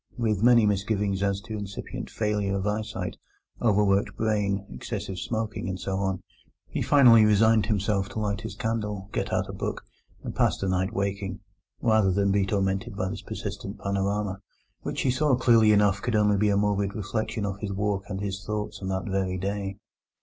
With many misgivings as to incipient failure of eyesight, overworked brain, excessive smoking, and so on, he finally resigned himself to light his candle, get out a book, and pass the night waking, rather than be tormented by this persistent panorama, which he saw clearly enough could only be a morbid reflection of his walk and his thoughts on that very day.